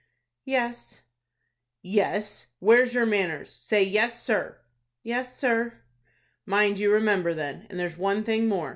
"Yes." "Yes! Where's your manners? Say 'Yes, sir.'" "Yes, sir." "Mind you remember then. And there's one thing more.